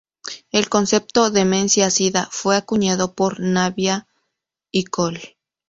El concepto demencia-sida fue acuñado por Navia y col.